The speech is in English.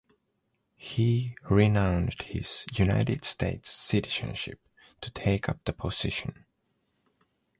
He renounced his United States citizenship to take up the position.